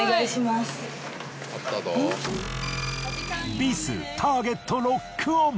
ビスターゲットロックオン！